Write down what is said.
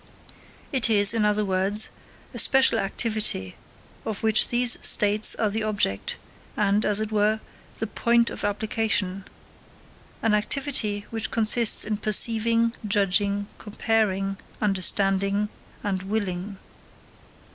It is, in other words, a special activity of which these states are the object and, as it were, the point of application an activity which consists in perceiving, judging, comparing, understanding, and willing.